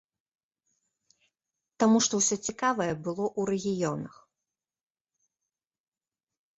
Таму што ўсё цікавае было ў рэгіёнах.